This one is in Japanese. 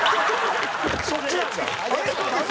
そっちなんだ。